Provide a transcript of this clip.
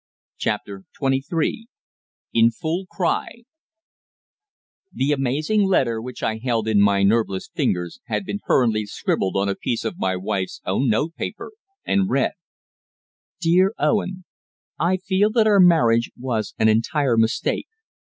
CHAPTER TWENTY THREE IN FULL CRY The amazing letter which I held in my nerveless fingers had been hurriedly scribbled on a piece of my wife's own notepaper, and read "DEAR OWEN I feel that our marriage was an entire mistake.